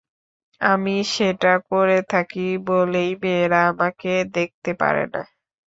আমি সেটা করে থাকি বলেই মেয়েরা আমাকে দেখতে পারে না।